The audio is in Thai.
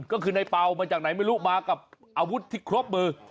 ก็คือในเปล่ามาจากไหนไม่รู้มากับอาวุธที่ครบมือ